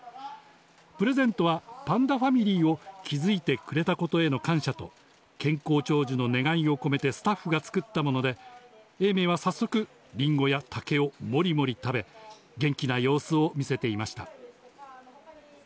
プレゼントはパンダファミリーを築いてくれたことへの感謝、健康長寿の願いを込めてスタッフが作ったもので、永明は早速、りんごや竹をモリモリ食べ、元気な様子を見せていました。